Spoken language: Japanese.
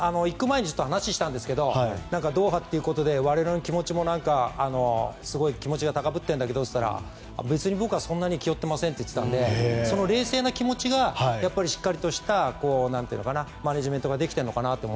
行く前に話をしたんですがドーハということで我々の気持ちもすごい高ぶってるんだけどと話したら別に僕はそんなに気負っていませんと言っていたので冷静な気持ちがしっかりとしたマネジメントができているのかなと。